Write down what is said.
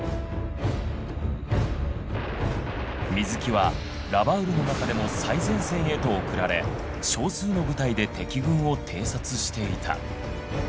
水木はラバウルの中でも最前線へと送られ少数の部隊で敵軍を偵察していた。